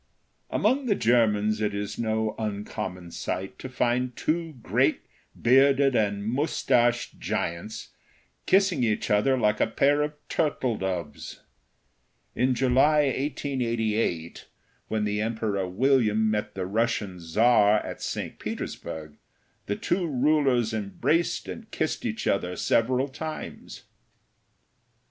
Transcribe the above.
Among the Germans it is no uncommon sight to find two great, bearded and mustached giants, kissing each other like a pair of turtle doves. In July, 1888, when the Emperor William met the Russian Czar at St. Petersburg, the two rulers embraced and kissed each other several times.